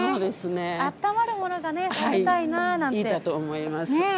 あったまるものがね、食べたいいかと思います。